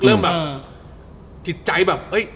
เริ่มแบบกิจใจแบบ